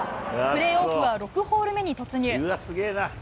プレーオフは６ホール目に突入。